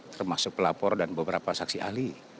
termasuk pelapor dan beberapa saksi ahli